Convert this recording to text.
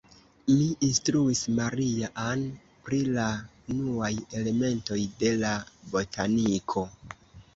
Mi instruis Maria-Ann pri la unuaj elementoj de la botaniko.